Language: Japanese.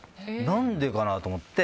何でかなと思って。